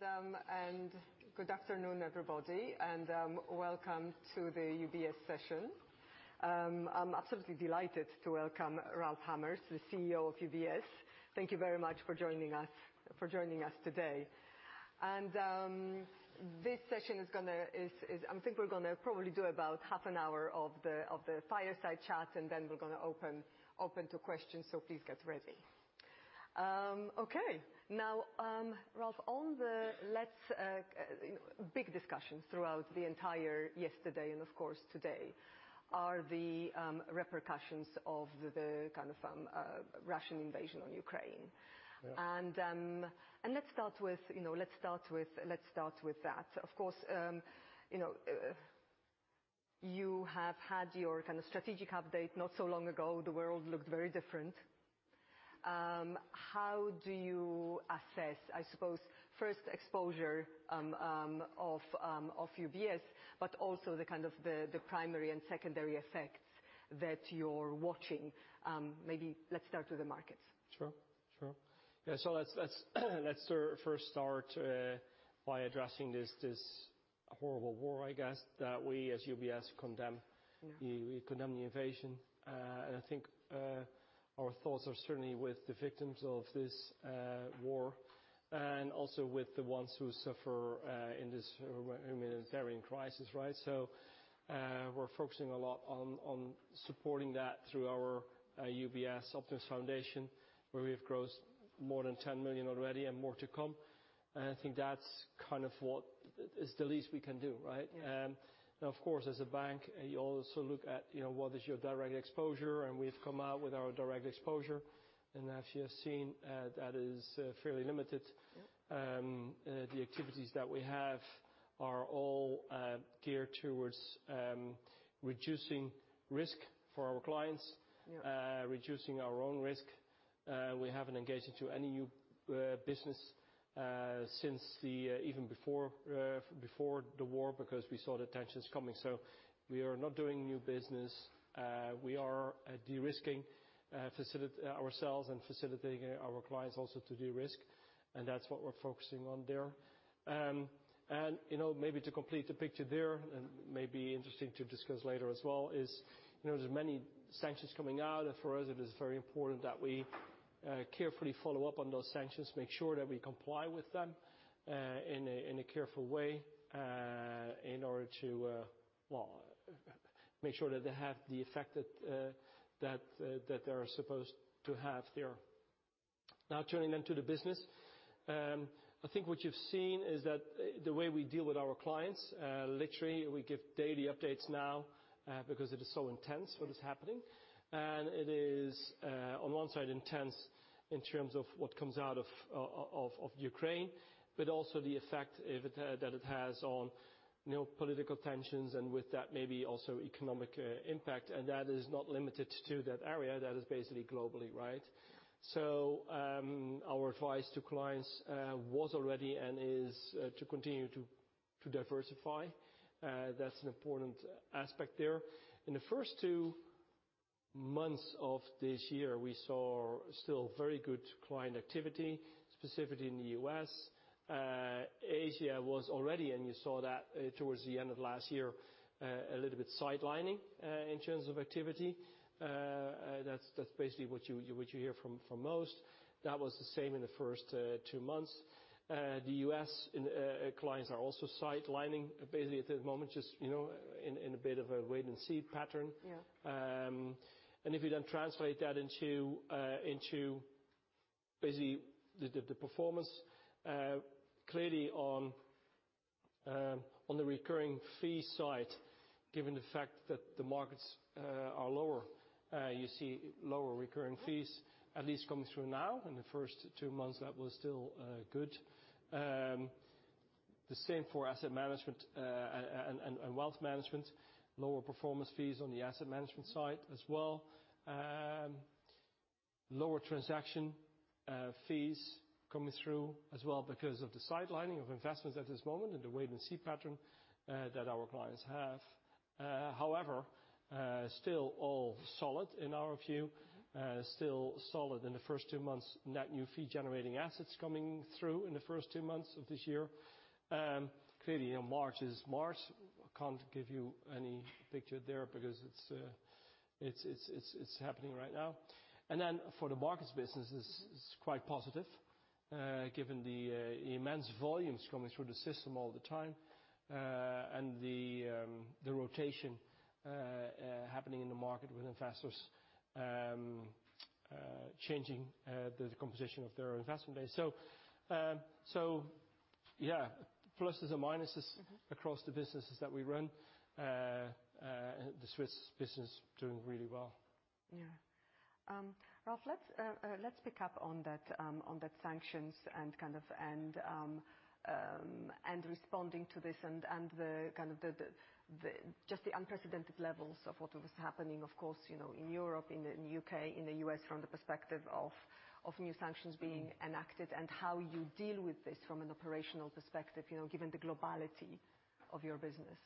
Thank you very much and good afternoon, everybody, and welcome to the UBS session. I'm absolutely delighted to welcome Ralph Hamers, the CEO of UBS. Thank you very much for joining us today. This session is gonna, I think we're gonna probably do about half an hour of the fireside chat, and then we're gonna open to questions, so please get ready. Okay. Now, Ralph, on the, let's you know, big discussions throughout the entire yesterday and of course today are the repercussions of the kind of Russian invasion on Ukraine. Yeah. Let's start with that. Of course, you know, you have had your kind of strategic update not so long ago. The world looked very different. How do you assess, I suppose, first exposure of UBS, but also the kind of the primary and secondary effects that you're watching, maybe let's start with the markets. Sure. Yeah, let's sort of first start by addressing this horrible war, I guess, that we as UBS condemn. Yeah. We condemn the invasion. I think our thoughts are certainly with the victims of this war and also with the ones who suffer in this humanitarian crisis, right? We're focusing a lot on supporting that through our UBS Optimus Foundation, where we have grossed more than $10 million already and more to come. I think that's kind of what is the least we can do, right? Yeah. Now, of course, as a bank, you also look at, you know, what is your direct exposure, and we've come out with our direct exposure. As you have seen, that is fairly limited. Yeah. The activities that we have are all geared towards reducing risk for our clients. Yeah Reducing our own risk. We haven't engaged in any new business since even before the war because we saw the tensions coming. We are not doing new business. We are de-risking ourselves and facilitating our clients also to de-risk, and that's what we're focusing on there. You know, maybe to complete the picture there, and it may be interesting to discuss later as well, you know, there's many sanctions coming out, and for us it is very important that we carefully follow up on those sanctions, make sure that we comply with them in a careful way, in order to well make sure that they have the effect that they're supposed to have there. Now turning into the business, I think what you've seen is that the way we deal with our clients, literally we give daily updates now, because it is so intense what is happening. It is on one side intense in terms of what comes out of Ukraine, but also the effect that it has on, you know, political tensions and with that maybe also economic impact. That is not limited to that area. That is basically globally, right? Our advice to clients was already and is to continue to diversify. That's an important aspect there. In the first two months of this year, we saw still very good client activity, specifically in the U.S. Asia was already, and you saw that, towards the end of last year, a little bit sidelining, in terms of activity. That's basically what you hear from most. That was the same in the first two months. The U.S. clients are also sidelining basically at the moment, just, you know, in a bit of a wait and see pattern. Yeah. If you then translate that into basically the performance, clearly on the recurring fee side, given the fact that the markets are lower, you see lower recurring fees at least coming through now. In the first two months, that was still good. The same for asset management and wealth management. Lower performance fees on the asset management side as well. Lower transaction fees coming through as well because of the sidelining of investments at this moment and the wait and see pattern that our clients have. However, still all solid in our view. Still solid in the first two months. Net new fee generating assets coming through in the first two months of this year. Clearly, you know, March is March. Can't give you any picture there because it's happening right now. Then for the markets business, this is quite positive, given the immense volumes coming through the system all the time, and the rotation happening in the market with investors changing the composition of their investment base. Yeah, pluses and minuses across the businesses that we run. The Swiss business doing really well. Yeah, Ralph, let's pick up on that sanctions and kind of responding to this and the kind of just the unprecedented levels of what was happening, of course, you know, in Europe, in the U.K., in the U.S., from the perspective of new sanctions being enacted and how you deal with this from an operational perspective, you know, given the globality of your business.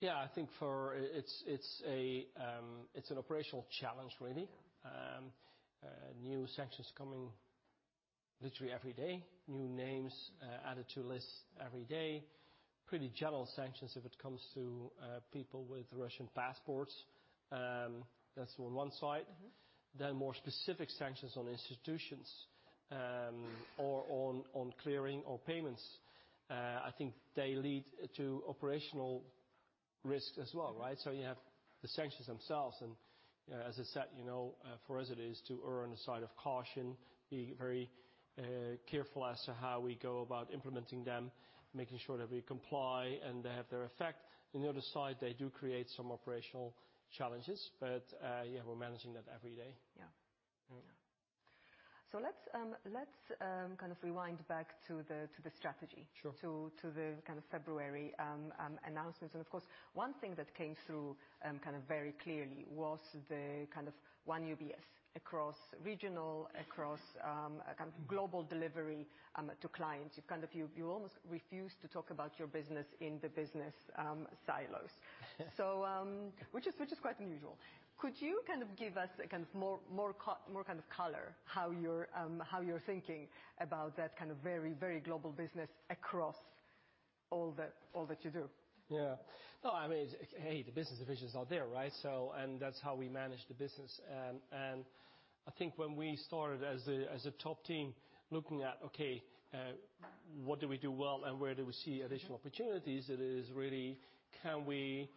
Yeah, I think it's an operational challenge really. New sanctions coming literally every day. New names added to lists every day. Pretty general sanctions if it comes to people with Russian passports. That's on one side. Mm-hmm. More specific sanctions on institutions, or on clearing or payments. I think they lead to operational risk as well, right? So you have the sanctions themselves, and, as I said, you know, for us it is to err on the side of caution. Be very careful as to how we go about implementing them, making sure that we comply, and they have their effect. On the other side, they do create some operational challenges, but, yeah, we're managing that every day. Yeah. Mm-hmm. Yeah. Let's kind of rewind back to the strategy. Sure. To the kind of February announcements. Of course, one thing that came through kind of very clearly was the kind of one UBS across regions, a kind of global delivery to clients. You kind of almost refuse to talk about your business in the business silos. Which is quite unusual. Could you kind of give us more kind of color on how you're thinking about that kind of very global business across all that you do? Yeah. No, I mean, hey, the business divisions are there, right? That's how we manage the business. I think when we started as the top team looking at what do we do well, and where do we see additional opportunities, can we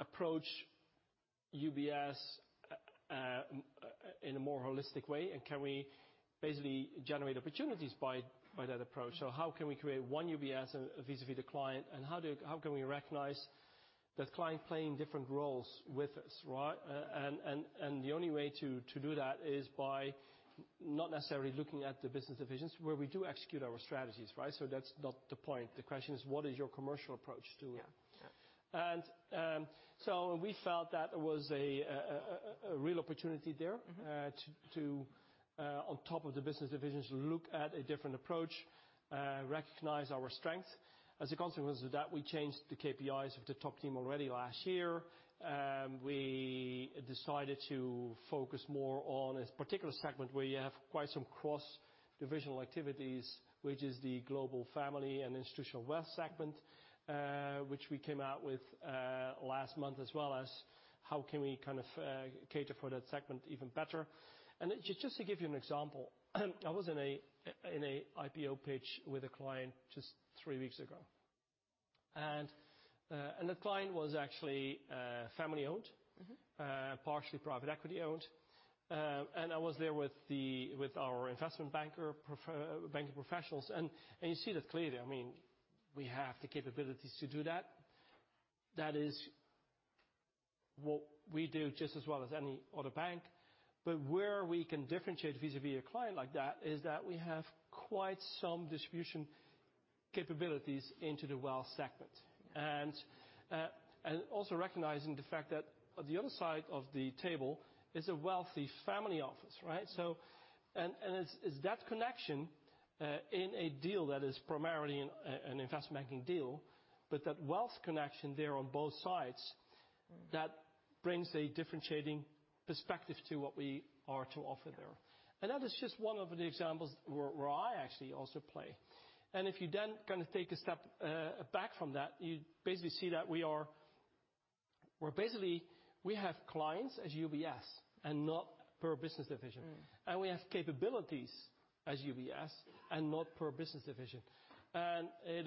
approach UBS in a more holistic way? Can we basically generate opportunities by that approach? So how can we create one UBS vis-à-vis the client, and how can we recognize that client playing different roles with us, right? And the only way to do that is by not necessarily looking at the business divisions, where we do execute our strategies, right? That's not the point. The question is what is your commercial approach to it? Yeah. Yeah. We felt that there was a real opportunity there. Mm-hmm On top of the business divisions, look at a different approach, recognize our strength. As a consequence of that, we changed the KPIs of the top team already last year. We decided to focus more on a particular segment where you have quite some cross-divisional activities, which is the Global Family and Institutional Wealth segment which we came out with last month, as well as how we can kind of cater for that segment even better. Just to give you an example, I was in an IPO pitch with a client just three weeks ago. The client was actually family owned. Mm-hmm. Partially private equity owned. I was there with our investment banking professionals. You see that clearly. I mean, we have the capabilities to do that. That is what we do just as well as any other bank. Where we can differentiate vis-à-vis a client like that is that we have quite some distribution capabilities into the wealth segment. Also recognizing the fact that on the other side of the table is a wealthy family office, right? It's that connection in a deal that is primarily an investment banking deal, but that wealth connection there on both sides that brings a differentiating perspective to what we are to offer there. That is just one of the examples where I actually also play. If you then kind of take a step back from that, you basically see that we're basically we have clients as UBS and not per business division. Mm-hmm. We have capabilities as UBS and not per business division. It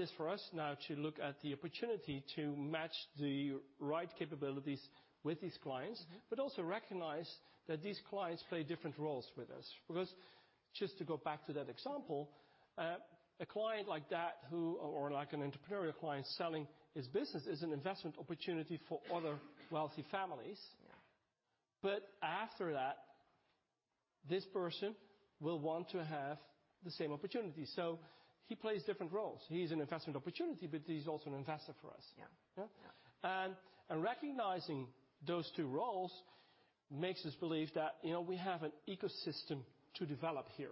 is for us now to look at the opportunity to match the right capabilities with these clients but also recognize that these clients play different roles with us. Because just to go back to that example, a client like that, or like an entrepreneurial client selling his business, is an investment opportunity for other wealthy families. Yeah. After that, this person will want to have the same opportunity. He plays different roles. He's an investment opportunity, but he's also an investor for us. Yeah. Yeah? Recognizing those two roles makes us believe that, you know, we have an ecosystem to develop here,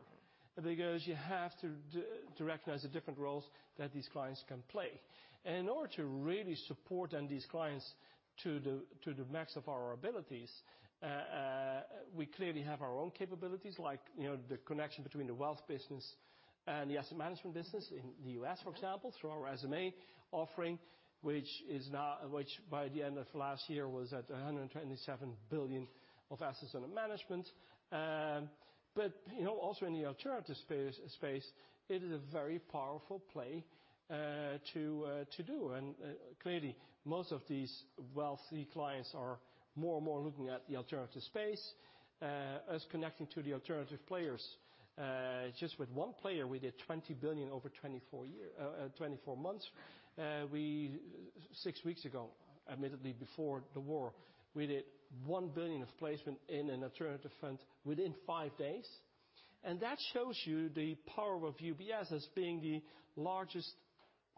because you have to recognize the different roles that these clients can play. In order to really support then these clients to the max of our abilities, we clearly have our own capabilities, like, you know, the connection between the wealth business and the asset management business in the U.S., for example. Through our SMA offering, which by the end of last year was at $127 billion of assets under management. But you know, also in the alternative space, it is a very powerful play to do. Clearly, most of these wealthy clients are more and more looking at the alternative space as connecting to the alternative players. Just with one player, we did $20 billion over 24 months. We six weeks ago, admittedly before the war, did $1 billion of placement in an alternative fund within five days. That shows you the power of UBS as being the largest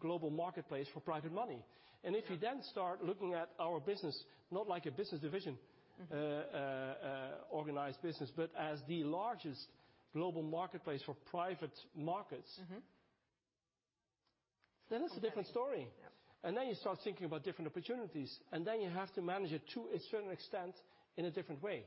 global marketplace for private money. And if you then start looking at our business, not like a business division. Mm-hmm Organized business, but as the largest global marketplace for private markets. Mm-hmm It's a different story. Yeah. You start thinking about different opportunities, and then you have to manage it to a certain extent in a different way.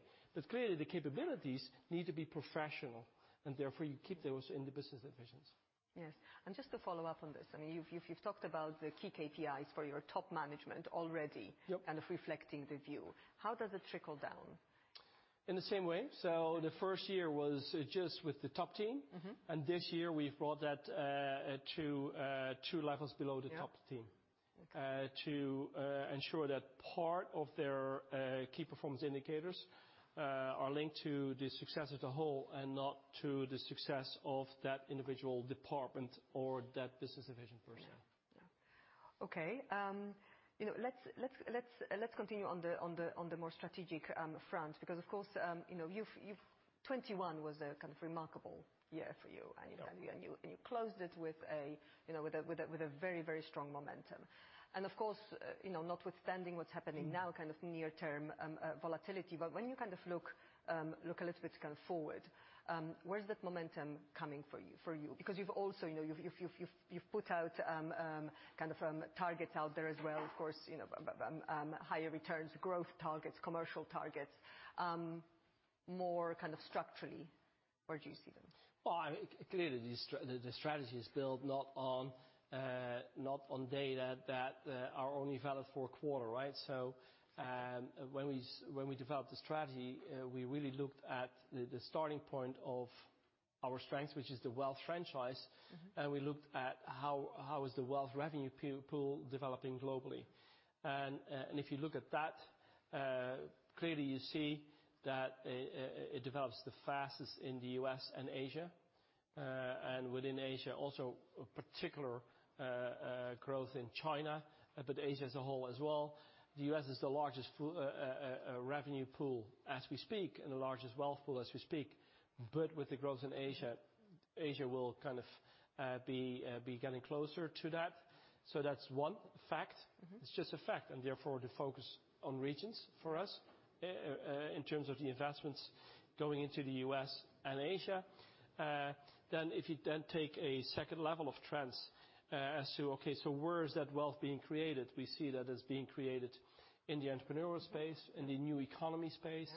Clearly, the capabilities need to be professional, and therefore you keep those in the business divisions. Yes. Just to follow up on this, I mean you've talked about the key KPIs for your top management already. Yep Kind of reflecting the view. How does it trickle down? In the same way. The first year was just with the top team. Mm-hmm. This year we've brought that to two levels below the top team. Yeah. Okay To ensure that part of their Key Performance Indicators are linked to the success of the whole and not to the success of that individual department or that business division per se. Yeah. Okay, you know, let's continue on the more strategic front because of course, you know, 2021 was a kind of remarkable year for you. You closed it, you know, with a very strong momentum. Of course, you know, notwithstanding what's happening now, kind of near term volatility. When you kind of look a little bit kind of forward, where's that momentum coming for you? Because you've also, you know, you've put out kind of targets out there as well, of course, you know, higher returns, growth targets, commercial targets. More kind of structurally, where do you see those? Well, I mean, clearly the strategy is built not on data that are only valid for a quarter, right? When we developed the strategy, we really looked at the starting point of our strength, which is the wealth franchise. We looked at how is the wealth revenue pool developing globally. If you look at that, clearly you see that it develops the fastest in the U.S. and Asia. Within Asia, also a particular growth in China, but Asia as a whole as well. The U.S. is the largest revenue pool as we speak, and the largest wealth pool as we speak. With the growth in Asia will kind of be getting closer to that. That's one fact. Mm-hmm. It's just a fact, and therefore, the focus on regions for us, in terms of the investments going into the U.S. and Asia. If you then take a second level of trends, as to okay, so where is that wealth being created? We see that as being created in the entrepreneurial space in the new economy space.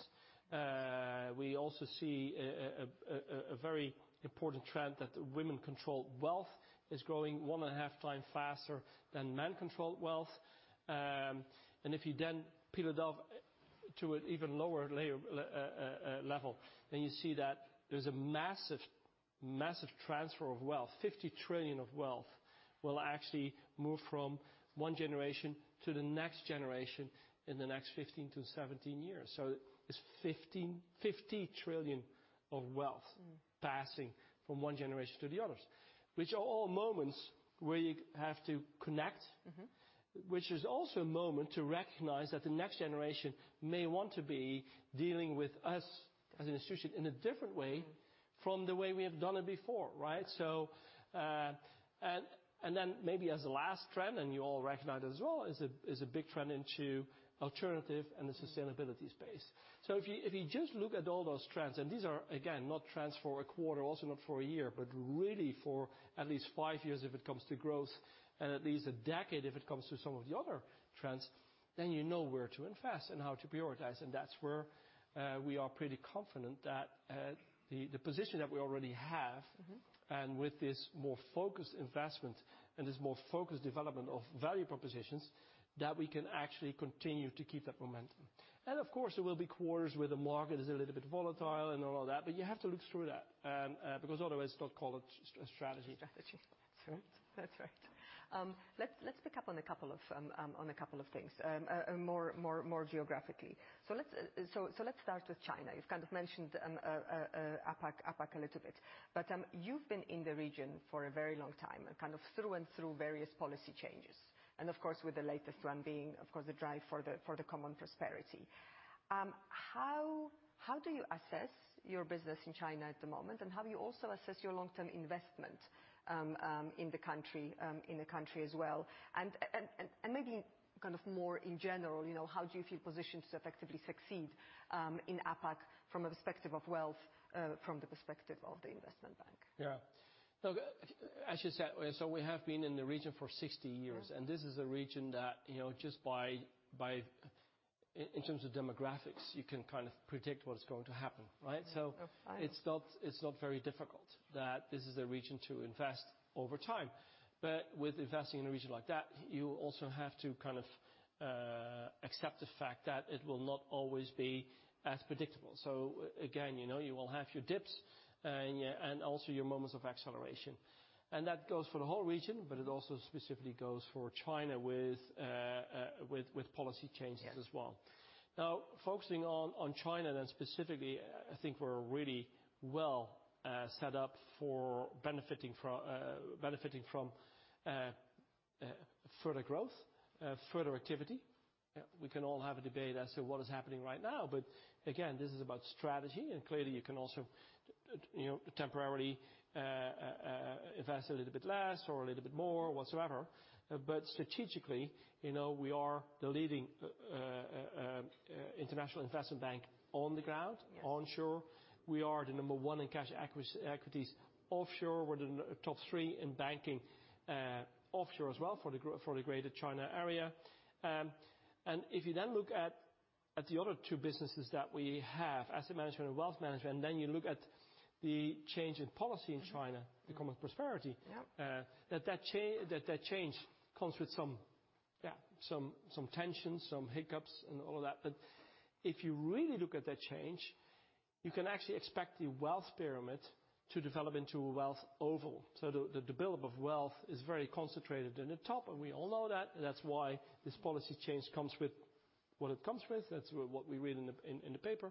Yeah. We also see a very important trend that women-controlled wealth is growing 1.5 times faster than men-controlled wealth. If you then peel it off to an even lower layer, level, you see that there's a massive transfer of wealth. $50 trillion of wealth will actually move from one generation to the next generation in the next 15-17 years. It's $50 trillion of wealth passing from one generation to the others, which are all moments where you have to connect. Mm-hmm. Which is also a moment to recognize that the next generation may want to be dealing with us as an institution in a different way from the way we have done it before, right? Maybe as a last trend, and you all recognize it as well, is a big trend into alternative and the sustainability space. If you just look at all those trends, and these are again, not trends for a quarter, also not for a year, but really for at least five years if it comes to growth, and at least a decade if it comes to some of the other trends, then you know where to invest and how to prioritize. That's where we are pretty confident that the position that we already have. Mm-hmm With this more focused investment and this more focused development of value propositions, that we can actually continue to keep that momentum. Of course, there will be quarters where the market is a little bit volatile and all of that, but you have to look through that, because otherwise don't call it a strategy. Strategy. That's right. Let's pick up on a couple of things more geographically. Let's start with China. You've kind of mentioned APAC a little bit. You've been in the region for a very long time and kind of through and through various policy changes, and of course, with the latest one being, of course, the drive for the common prosperity. How do you assess your business in China at the moment, and how do you also assess your long-term investment in the country as well? Maybe kind of more in general, you know, how do you feel positioned to effectively succeed in APAC from a perspective of wealth from the perspective of the investment bank? Yeah. Look, as you said, so we have been in the region for 60 years and this is a region that, you know, just by, in terms of demographics, you can kind of predict what is going to happen, right? Yeah. It's not very difficult that this is a region to invest over time. With investing in a region like that, you also have to kind of accept the fact that it will not always be as predictable. Again, you know, you will have your dips and also your moments of acceleration. That goes for the whole region, but it also specifically goes for China with policy changes as well. Yeah. Now focusing on China then specifically, I think we're really well set up for benefiting from further growth, further activity. We can all have a debate as to what is happening right now, but again, this is about strategy. Clearly you can also, you know, temporarily invest a little bit less or a little bit more whatsoever. Strategically, you know, we are the leading international investment bank on the ground. Yeah. Onshore. We are the number one in cash equities offshore. We're the top three in banking offshore as well for the Greater China area. If you then look at the other two businesses that we have, asset management and wealth management, and then you look at the change in policy in China, the common prosperity. Yeah. That change comes with some tensions, some hiccups, and all of that. If you really look at that change, you can actually expect the wealth pyramid to develop into a wealth oval. The build-up of wealth is very concentrated in the top, and we all know that, and that's why this policy change comes with what it comes with. That's what we read in the paper.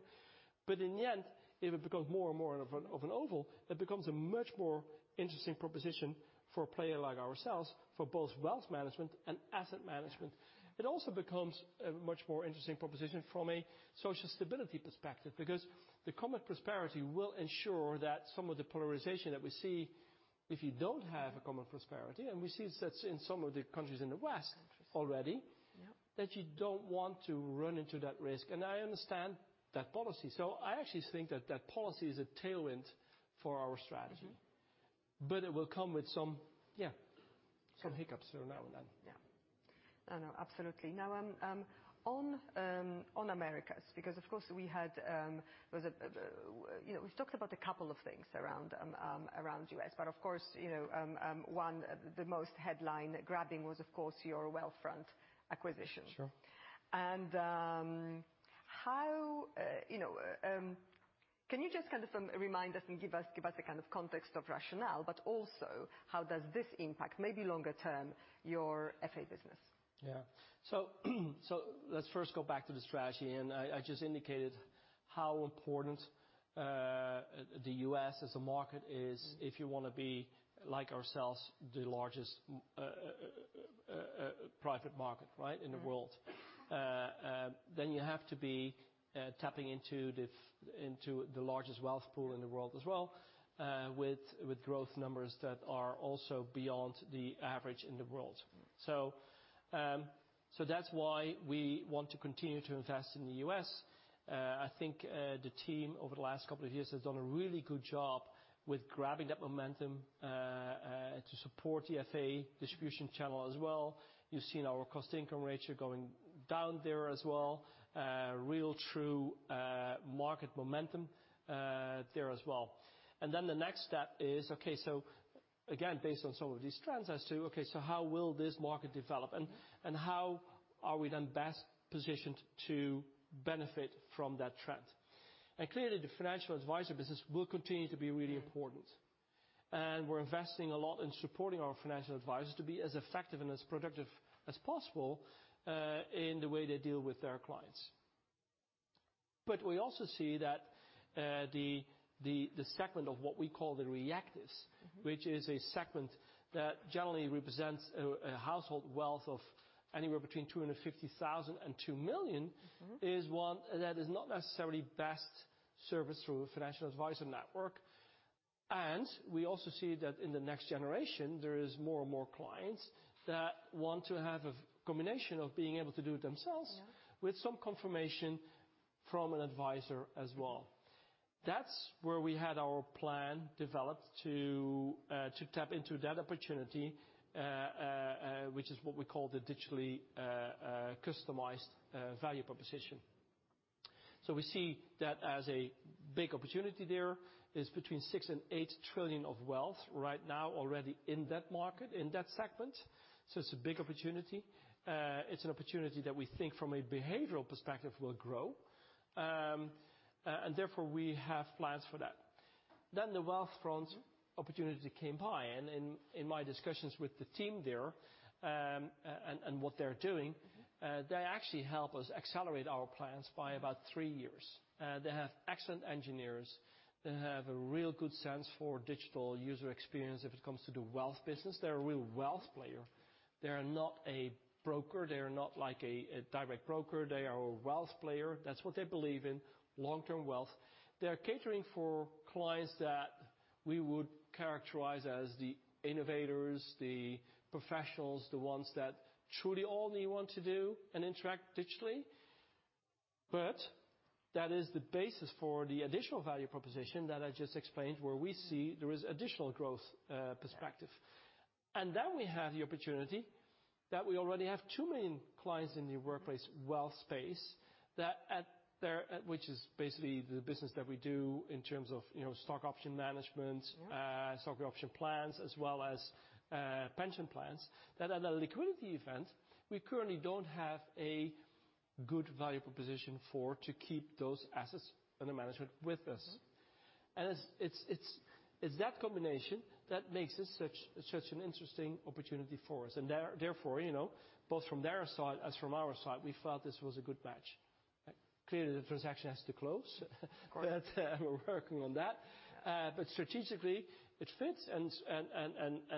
In the end, if it becomes more and more of an oval, it becomes a much more interesting proposition for a player like ourselves for both wealth management and asset management. It also becomes a much more interesting proposition from a social stability perspective, because the common prosperity will ensure that some of the polarization that we see if you don't have a common prosperity, and we see such in some of the countries in the West already. Yeah That you don't want to run into that risk, and I understand that policy. I actually think that policy is a tailwind for our strategy. Mm-hmm. But it will come with some, yeah, some hiccups so now and then. Yeah. No, no, absolutely. Now, on Americas. You know, we've talked about a couple of things around U.S. Of course, you know, the most headline grabbing was, of course, your Wealthfront acquisition. Sure. How, you know, can you just kind of remind us and give us a kind of context of rationale, but also, how does this impact, maybe longer term, your FA business? Let's first go back to the strategy, and I just indicated how important the U.S. as a market is. If you wanna be, like ourselves, the largest private market, right? Mm-hmm. In the world, you have to be tapping into the largest wealth pool in the world as well, with growth numbers that are also beyond the average in the world. So that's why we want to continue to invest in the U.S. I think the team over the last couple of years has done a really good job with grabbing that momentum to support the FA distribution channel as well. You've seen our cost income ratio going down there as well, real true market momentum there as well. The next step is okay, so again, based on some of these trends, okay, so how will this market develop? Mm-hmm. How are we then best positioned to benefit from that trend? Clearly, the financial advisor business will continue to be really important. We're investing a lot in supporting our financial advisors to be as effective and as productive as possible in the way they deal with their clients. We also see that the segment of what we call the reactives which is a segment that generally represents a household wealth of anywhere between $250,000-$2 million is one that is not necessarily best serviced through a financial advisor network. We also see that in the next generation, there is more and more clients that want to have a combination of being able to do it themselves- Yeah with some confirmation from an advisor as well. That's where we had our plan developed to tap into that opportunity, which is what we call the digitally customized value proposition. We see that as a big opportunity there. It's between $6 trillion and $8 trillion of wealth right now already in that market, in that segment, so it's a big opportunity. It's an opportunity that we think from a behavioral perspective will grow. Therefore, we have plans for that. The Wealthfront opportunity came by, and in my discussions with the team there, and what they're doing. Mm-hmm They actually help us accelerate our plans by about three years. They have excellent engineers. They have a real good sense for digital user experience when it comes to the wealth business. They're a real wealth player. They're not a broker. They're not like a direct broker. They are a wealth player. That's what they believe in, long-term wealth. They are catering for clients that we would characterize as the innovators, the professionals, the ones that truly only want to do and interact digitally. That is the basis for the additional value proposition that I just explained, where we see there is additional growth perspective. We have the opportunity that we already have two main clients in the workplace wealth space which is basically the business that we do in terms of, you know, stock option management. Yeah Stock option plans, as well as pension plans that at a liquidity event we currently don't have a good value proposition for to keep those assets under management with us. It's that combination that makes this such an interesting opportunity for us. Therefore, you know, both from their side, as from our side, we felt this was a good match. Clearly, the transaction has to close. Of course. We're working on that. Strategically, it fits and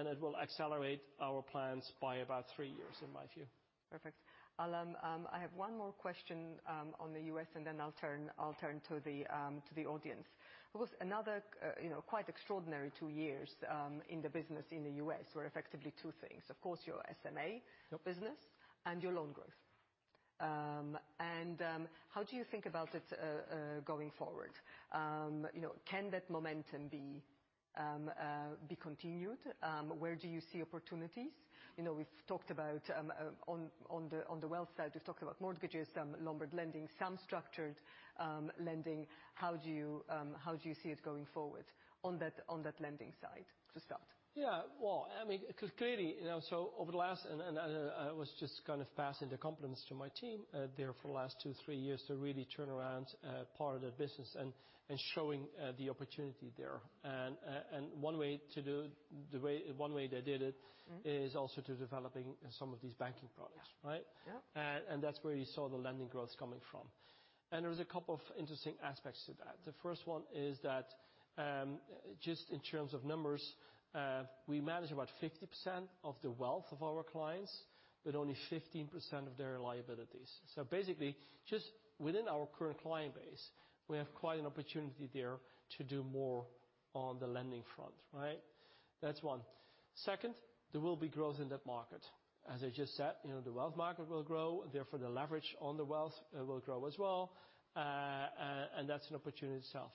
it will accelerate our plans by about three years in my view. Perfect. Alain, I have one more question on the U.S., and then I'll turn to the audience. It was another, you know, quite extraordinary two years in the business in the U.S., were effectively two things. Of course, your SMA- Yep business and your loan growth. How do you think about it going forward? You know, can that momentum be continued? Where do you see opportunities? You know, we've talked about on the wealth side. We've talked about mortgages, some Lombard lending, some structured lending. How do you see it going forward on that lending side, to start? Yeah. Well, I mean, 'cause clearly, you know, I was just kind of passing the compliments to my team there for the last 2-3 years to really turn around part of the business and showing the opportunity there. One way they did it, is also to developing some of these banking products. Yeah. Right? Yeah. That's where you saw the lending growth coming from. There's a couple of interesting aspects to that. The first one is that, just in terms of numbers, we manage about 50% of the wealth of our clients, but only 15% of their liabilities. So basically, just within our current client base, we have quite an opportunity there to do more on the lending front, right? That's one. Second, there will be growth in that market. As I just said, you know, the wealth market will grow, therefore, the leverage on the wealth, will grow as well. That's an opportunity itself.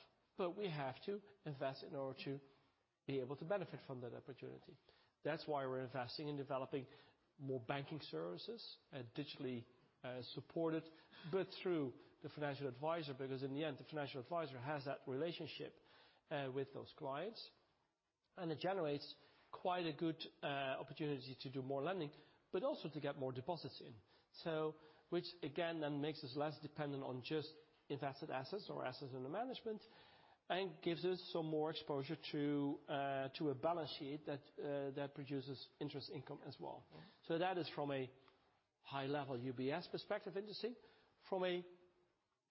We have to invest in order to be able to benefit from that opportunity. That's why we're investing in developing more banking services, digitally supported, but through the financial advisor. Because in the end, the financial advisor has that relationship with those clients, and it generates quite a good opportunity to do more lending, but also to get more deposits in. Which again, then makes us less dependent on just invested assets or assets under management, and gives us some more exposure to a balance sheet that produces interest income as well. Mm-hmm. That is from a high-level UBS perspective industry. From a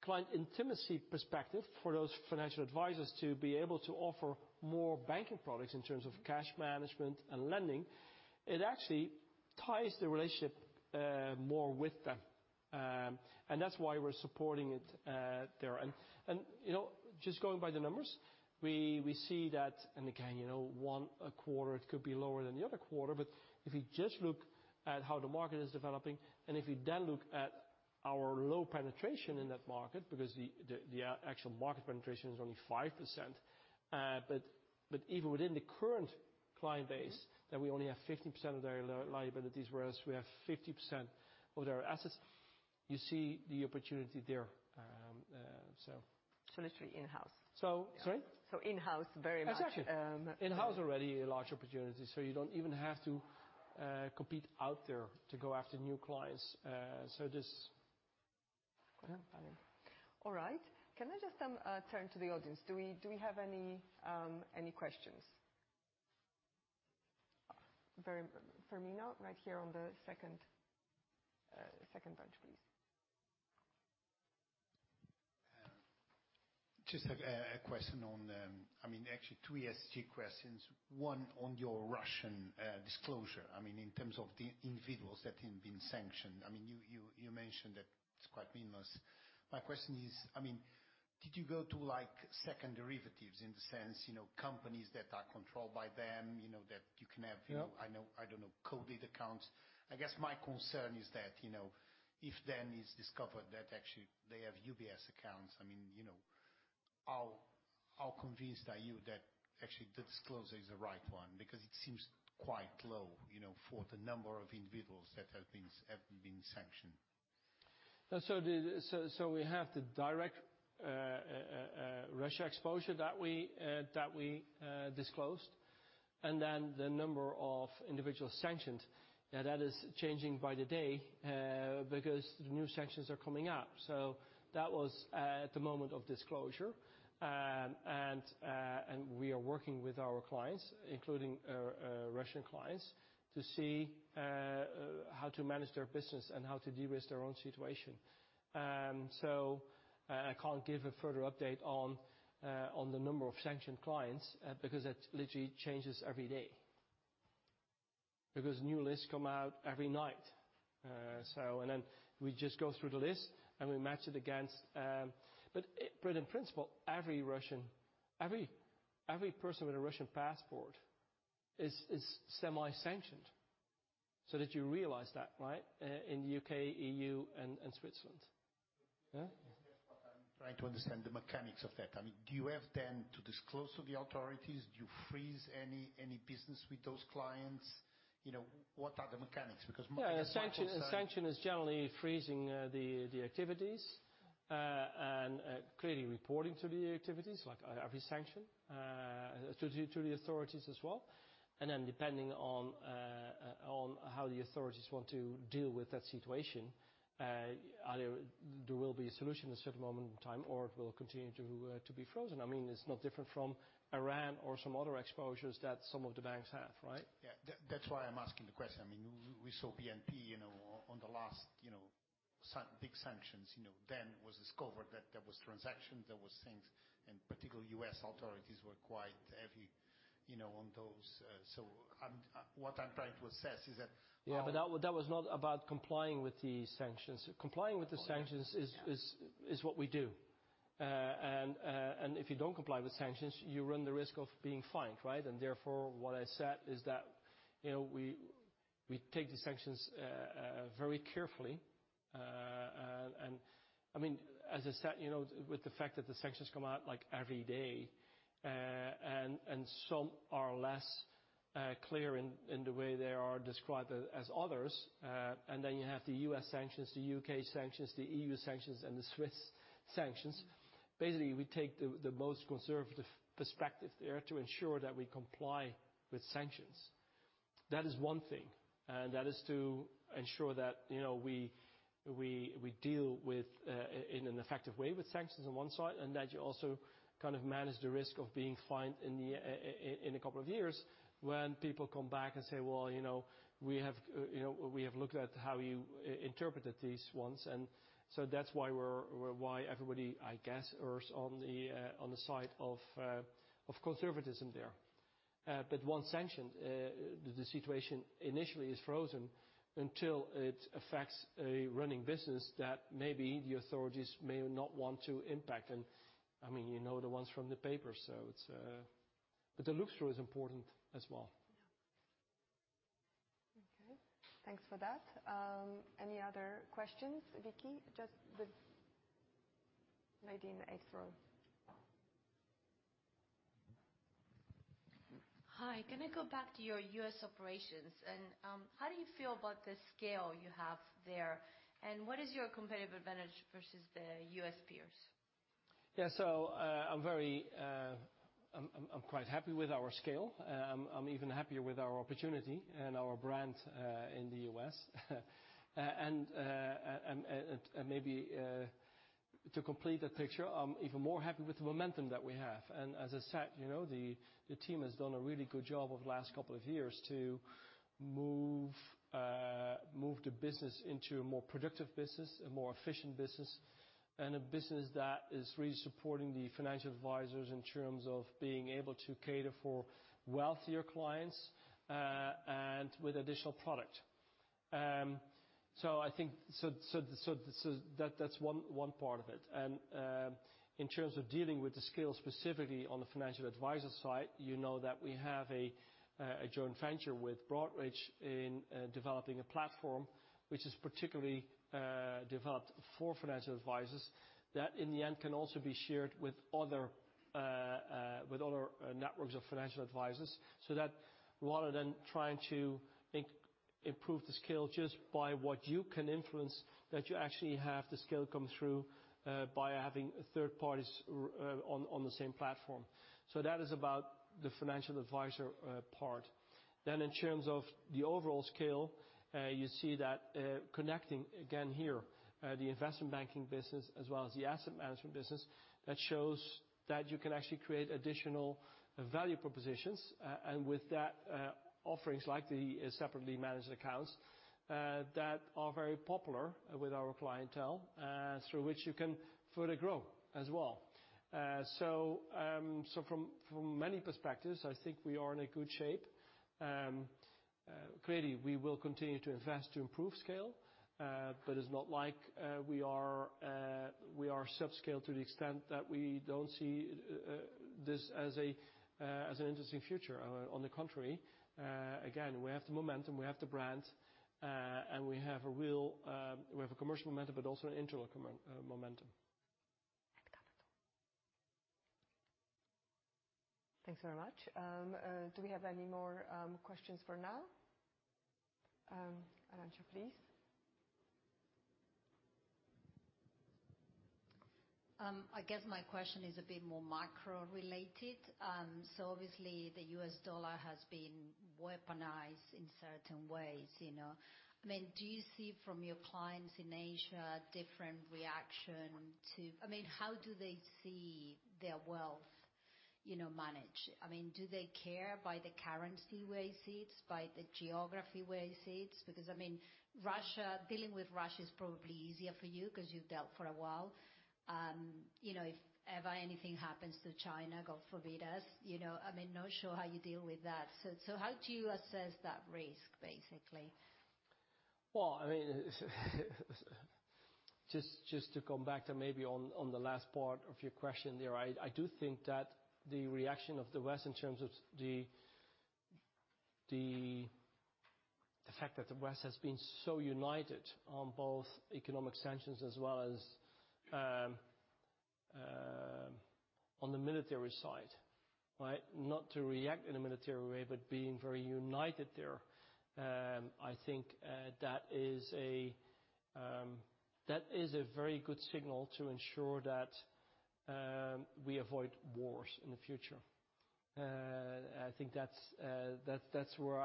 client intimacy perspective, for those financial advisors to be able to offer more banking products in terms of cash management and lending, it actually ties the relationship more with them. That's why we're supporting it there. You know, just going by the numbers, we see that, and again, you know, one quarter could be lower than the other quarter, but if you just look at how the market is developing and if you then look at our low penetration in that market, because the actual market penetration is only 5%. But even within the current client base that we only have 15% of their liabilities, whereas we have 50% of their assets, you see the opportunity there. Literally in-house. Sorry? In-house very much. Exactly. Um. In-house already a large opportunity, so you don't even have to compete out there to go after new clients. Just yeah. All right. Can I just turn to the audience? Do we have any questions? Fermino, right here on the second bench, please. Just a question on the, I mean, actually two ESG questions. One on your Russian disclosure. I mean, in terms of the individuals that have been sanctioned. I mean, you mentioned that it's quite seamless. My question is, I mean, did you go to like second derivatives in the sense, you know, companies that are controlled by them, you know, that you can have- Yeah You know, I don't know, coded accounts. I guess my concern is that, you know, if then it's discovered that actually they have UBS accounts, I mean, you know, how convinced are you that actually the disclosure is the right one? Because it seems quite low, you know, for the number of individuals that have been sanctioned. We have the direct Russia exposure that we disclosed, and then the number of individual sanctions. Yeah, that is changing by the day because the new sanctions are coming out. That was at the moment of disclosure. We are working with our clients, including Russian clients, to see how to manage their business and how to de-risk their own situation. I can't give a further update on the number of sanctioned clients because that literally changes every day. New lists come out every night. We just go through the list and we match it against. In principle, every Russian person with a Russian passport is semi-sanctioned. That you realize that, right? In U.K., EU, and Switzerland. Yeah? That's what I'm trying to understand the mechanics of that. I mean, do you have then to disclose to the authorities? Do you freeze any business with those clients? You know, what are the mechanics? Because my concern. Yeah, a sanction is generally freezing the activities and clearly reporting the activities to the authorities as well, like every sanction to the authorities. Then depending on how the authorities want to deal with that situation, either there will be a solution at a certain moment in time or it will continue to be frozen. I mean, it's no different from Iran or some other exposures that some of the banks have, right? Yeah. That's why I'm asking the question. I mean, we saw BNP Paribas, you know, big sanctions, you know, then it was discovered that there was transactions, there was things, and particularly U.S. authorities were quite heavy, you know, on those. So what I'm trying to assess is that, That was not about complying with the sanctions. Complying with the sanctions is what we do. If you don't comply with sanctions, you run the risk of being fined, right? Therefore, what I said is that, you know, we take the sanctions very carefully. I mean, as I said, you know, with the fact that the sanctions come out, like, every day, and some are less clear in the way they are described as others. Then you have the U.S. sanctions, the U.K. sanctions, the EU sanctions, and the Swiss sanctions. Basically, we take the most conservative perspective there to ensure that we comply with sanctions. That is one thing, and that is to ensure that, you know, we deal with in an effective way with sanctions on one side, and that you also kind of manage the risk of being fined in a couple of years when people come back and say, "Well, you know, we have looked at how you interpreted these ones." That's why everybody, I guess, errs on the side of conservatism there. Once sanctioned, the situation initially is frozen until it affects a running business that maybe the authorities may not want to impact. I mean, you know the ones from the paper, so it's. The look-through is important as well. Yeah. Okay. Thanks for that. Any other questions? Vicky, just the lady in the eighth row. Hi. Can I go back to your U.S. operations, and how do you feel about the scale you have there, and what is your competitive advantage versus the U.S. peers? Yeah. I'm quite happy with our scale. I'm even happier with our opportunity and our brand in the U.S. and maybe to complete the picture, I'm even more happy with the momentum that we have. As I said, you know, the team has done a really good job over the last couple of years to move the business into a more productive business, a more efficient business, and a business that is really supporting the financial advisors in terms of being able to cater for wealthier clients and with additional product. I think that that's one part of it. In terms of dealing with the scale specifically on the financial advisor side, you know that we have a joint venture with Broadridge in developing a platform which is particularly developed for financial advisors that in the end can also be shared with other networks of financial advisors. That rather than trying to improve the scale just by what you can influence, that you actually have the scale come through by having third parties on the same platform. That is about the financial advisor part. In terms of the overall scale, you see that, connecting again here, the investment banking business as well as the asset management business, that shows that you can actually create additional value propositions, and with that, offerings like the separately managed accounts, that are very popular with our clientele, through which you can further grow as well. From many perspectives, I think we are in a good shape. Clearly, we will continue to invest to improve scale, but it's not like we are subscale to the extent that we don't see this as an interesting future. On the contrary, again, we have the momentum, we have the brand, and we have a real commercial momentum, but also an internal momentum. Thanks very much. Do we have any more questions for now? Alicia, please. I guess my question is a bit more macro-related. So obviously, the U.S. dollar has been weaponized in certain ways, you know. I mean, do you see from your clients in Asia different reaction to I mean, how do they see their wealth, you know, managed? I mean, do they care by the currency where it sits, by the geography where it sits? Because, I mean, Russia, dealing with Russia is probably easier for you 'cause you've dealt for a while. You know, if ever anything happens to China, God forbid us, you know, I mean, not sure how you deal with that. How do you assess that risk, basically? Well, I mean, to come back to maybe on the last part of your question there. I do think that the reaction of the West in terms of the fact that the West has been so united on both economic sanctions as well as on the military side, right? Not to react in a military way, but being very united there. I think that is a very good signal to ensure that we avoid wars in the future. I think that's where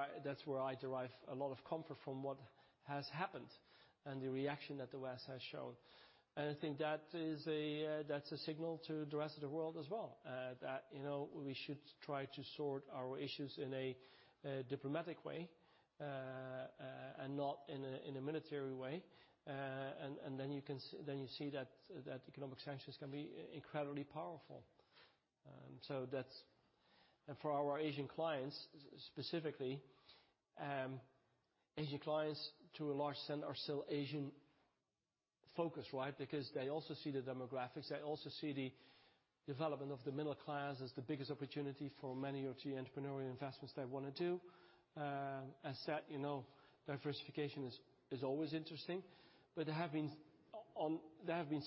I derive a lot of comfort from what has happened and the reaction that the West has shown. I think that is a signal to the rest of the world as well, that, you know, we should try to sort our issues in a diplomatic way, not in a military way. Then you see that economic sanctions can be incredibly powerful. For our Asian clients, specifically, Asian clients to a large extent are still Asian-focused, right, because they also see the demographics, they also see the development of the middle class as the biggest opportunity for many of the entrepreneurial investments they wanna do. Asset, you know, diversification is always interesting. But they have been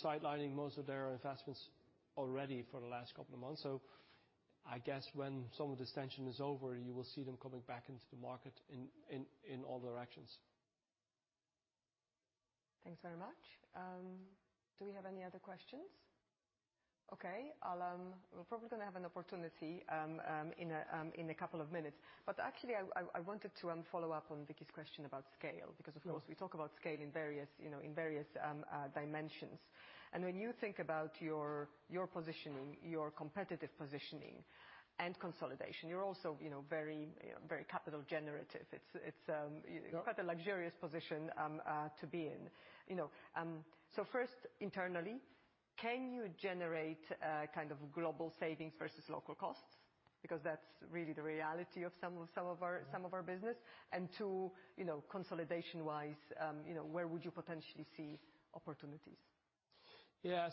sidelining most of their investments already for the last couple of months. I guess when some of this tension is over, you will see them coming back into the market in all directions. Thanks very much. Do we have any other questions? Okay. We're probably gonna have an opportunity in a couple of minutes. Actually I wanted to follow up on Vicky's question about scale. Of course. Because of course we talk about scale in various, you know, in various, dimensions. When you think about your positioning, your competitive positioning and consolidation, you're also, you know, very capital generative. It's quite a luxurious position to be in. You know, so first internally, can you generate kind of global savings versus local costs? Because that's really the reality of some of our business. Two, you know, consolidation-wise, you know, where would you potentially see opportunities? Yeah.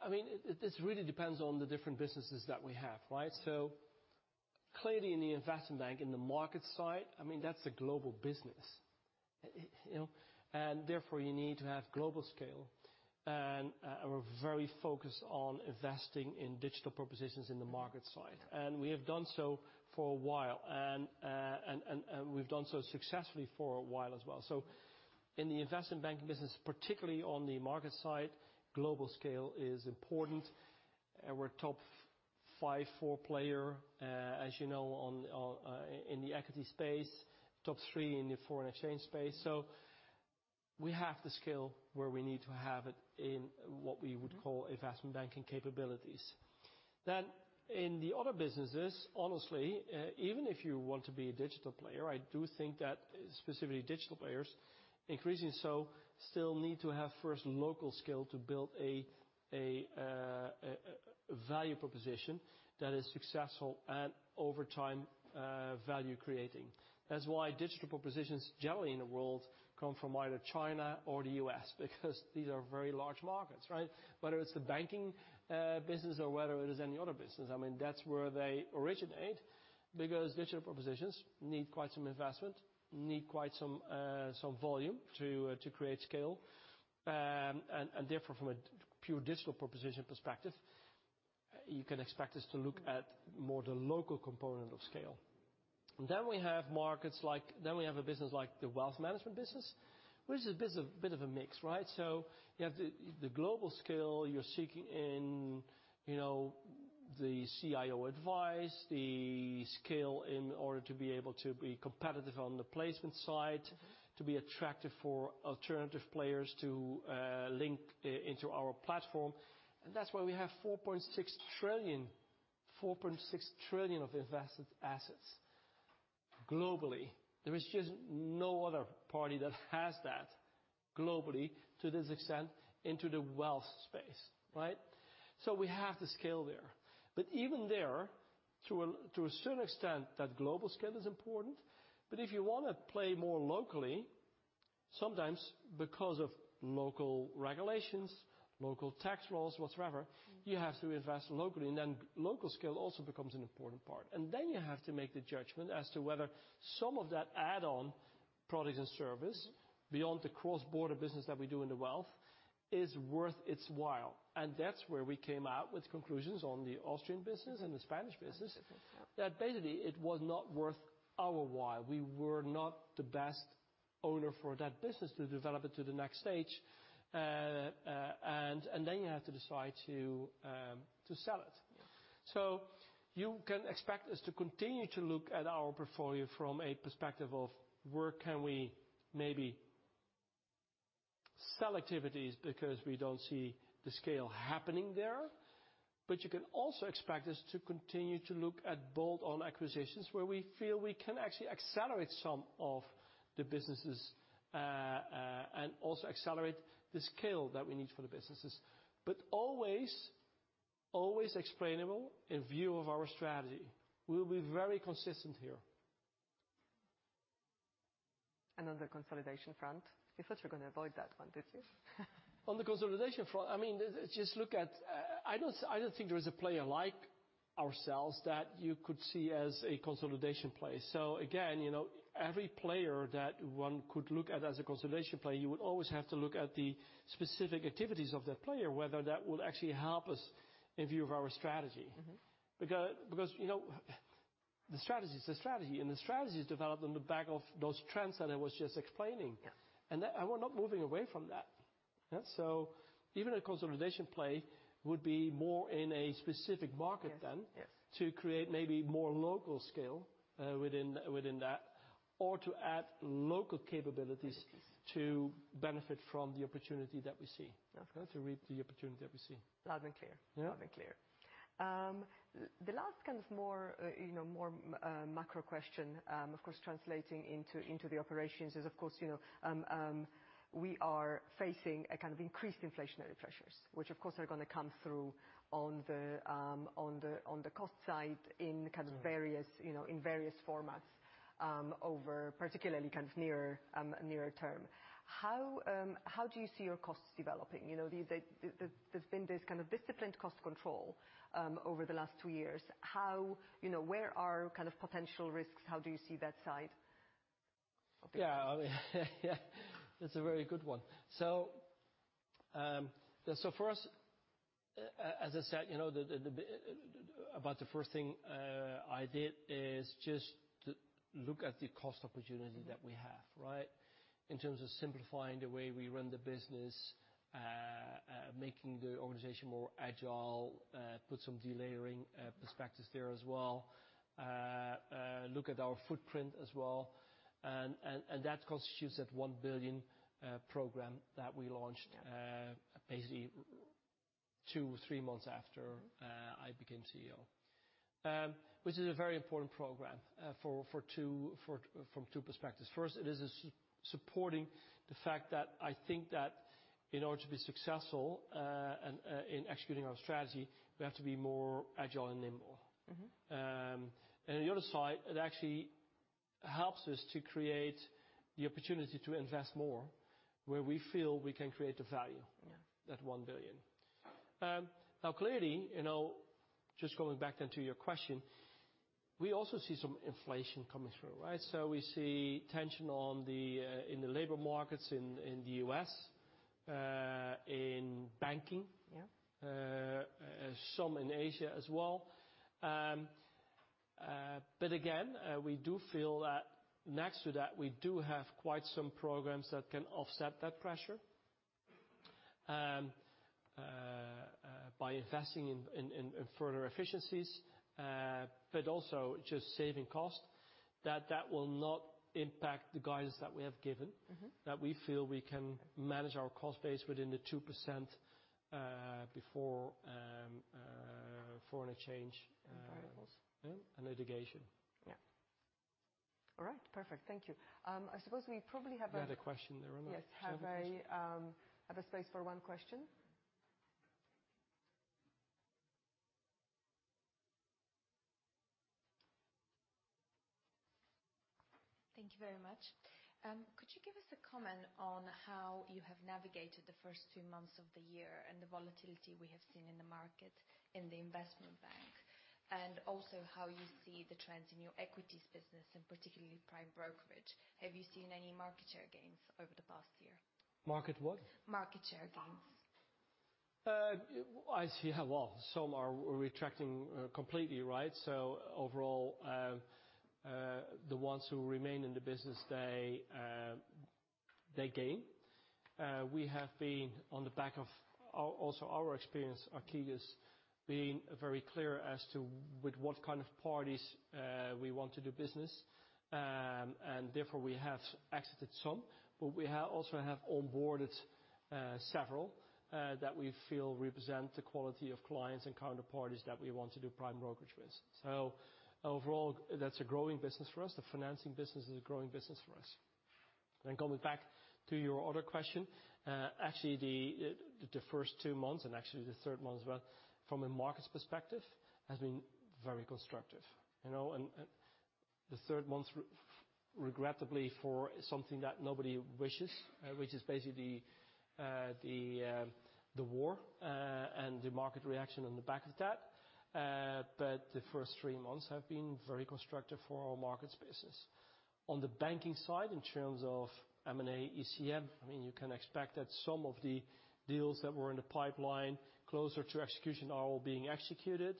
I mean this really depends on the different businesses that we have, right? Clearly in the investment bank, in the market side, I mean, that's a global business. You know, and therefore you need to have global scale. We're very focused on investing in digital propositions in the market side. And we have done so for a while. We've done so successfully for a while as well. In the investment banking business, particularly on the market side, global scale is important. We're top five, four player, as you know, on in the equity space, top three in the foreign exchange space. We have the scale where we need to have it in what we would call investment banking capabilities. In the other businesses, honestly, even if you want to be a digital player, I do think that specifically digital players, increasingly so, still need to have first local scale to build a value proposition that is successful and over time value creating. That's why digital propositions generally in the world come from either China or the U.S., because these are very large markets, right? Whether it's the banking business or whether it is any other business, I mean, that's where they originate because digital propositions need quite some investment, need quite some volume to create scale. And therefore from a pure digital proposition perspective, you can expect us to look at more the local component of scale. We have a business like the wealth management business, which is a bit of a mix, right? You have the global scale you're seeking in, you know, the CIO advice, the scale in order to be able to be competitive on the placement side, to be attractive for alternative players to link into our platform. That's why we have $4.6 trillion of invested assets globally. There is just no other party that has that globally to this extent into the wealth space, right? We have the scale there. Even there, to a certain extent that global scale is important. If you wanna play more locally, sometimes because of local regulations, local tax laws, whatsoever, you have to invest locally, and then local scale also becomes an important part. You have to make the judgment as to whether some of that add-on product and service beyond the cross-border business that we do in the wealth is worth its while. That's where we came out with conclusions on the Austrian business and the Spanish business. That basically, it was not worth our while. We were not the best owner for that business to develop it to the next stage. You have to decide to sell it. So you can expect us to continue to look at our portfolio from a perspective of where can we maybe sell activities because we don't see the scale happening there. You can also expect us to continue to look at bolt-on acquisitions where we feel we can actually accelerate some of the businesses, and also accelerate the scale that we need for the businesses. Always, always explainable in view of our strategy. We'll be very consistent here. On the consolidation front? You thought you were gonna avoid that one, did you? On the consolidation front, I mean, just look at, I don't think there is a player like ourselves that you could see as a consolidation player. Again, you know, every player that one could look at as a consolidation player, you would always have to look at the specific activities of that player, whether that would actually help us in view of our strategy. Mm-hmm. Because, you know, the strategy is the strategy, and the strategy is developed on the back of those trends that I was just explaining. Yes. We're not moving away from that. Yeah, even a consolidation play would be more in a specific market then. Yes, yes To create maybe more local scale within that or to local capabilities to benefit from the opportunity that we see. Okay. To reap the opportunity that we see. Loud and clear. Yeah. Loud and clear. The last kind of more, you know, macro question, of course, translating into the operations is, of course, you know, we are facing a kind of increased inflationary pressures, which of course are gonna come through on the cost side in kind of various, you know, in various formats, over particularly kind of near, nearer term. How do you see your costs developing? You know, there's been this kind of disciplined cost control over the last two years. You know, where are kind of potential risks? How do you see that side? Yeah. That's a very good one. First, as I said, you know, about the first thing I did is just to look at the cost opportunity that we have. Right? In terms of simplifying the way we run the business, making the organization more agile, put some delayering perspectives there as well. Look at our footprint as well. That constitutes that $1 billion program that we launched basically two, three months after I became CEO. Which is a very important program for two perspectives. First, it is supporting the fact that I think that in order to be successful in executing our strategy, we have to be more agile and nimble. Mm-hmm. The other side, it actually helps us to create the opportunity to invest more where we feel we can create the value. Yeah. That $1 billion. Now clearly, you know, just going back then to your question, we also see some inflation coming through. Right? We see tension in the labor markets in the U.S. in banking. Yeah. Some in Asia as well. Again, we do feel that next to that, we do have quite some programs that can offset that pressure by investing in further efficiencies, but also just saving cost, that will not impact the guidance that we have given. Mm-hmm. That we feel we can manage our cost base within 2%, before foreign exchange. Variables. Yeah. Litigation. Yeah. All right. Perfect. Thank you. I suppose we probably have a- The other question there. Yes. Have a space for one question. Thank you very much. Could you give us a comment on how you have navigated the first two months of the year and the volatility we have seen in the market in the investment bank? Also how you see the trends in your equities business, and particularly prime brokerage. Have you seen any market share gains over the past year? Market what? Market share gains. I see. Well, some are retracting completely, right? Overall, the ones who remain in the business, they gain. We have been on the back of also our experience, Archegos, being very clear as to with what kind of parties we want to do business. Therefore, we have exited some, but we have also onboarded several that we feel represent the quality of clients and counterparties that we want to do prime brokerage with. Overall, that's a growing business for us. The financing business is a growing business for us. Going back to your other question, actually the first two months and actually the third month as well from a markets perspective has been very constructive. You know, the third month regrettably for something that nobody wishes, which is basically the war and the market reaction on the back of that. The first three months have been very constructive for our markets business. On the banking side, in terms of M&A ECM, I mean, you can expect that some of the deals that were in the pipeline closer to execution are all being executed.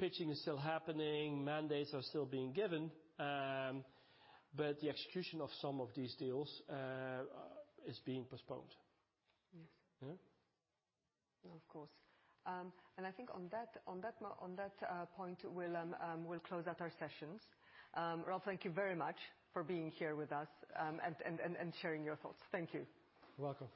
Pitching is still happening, mandates are still being given, but the execution of some of these deals is being postponed. Yes. Yeah. Of course. I think on that point, we'll close out our sessions. Ralph, thank you very much for being here with us, and sharing your thoughts. Thank you. You're welcome.